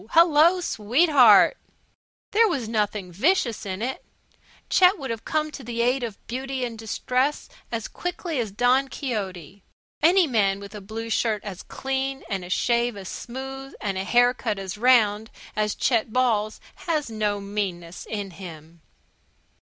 Hello, sweetheart!" There was nothing vicious in it, Chet would have come to the aid of beauty in distress as quickly as Don Quixote. Any man with a blue shirt as clean, and a shave as smooth, and a haircut as round as Chet Ball's has no meanness in him.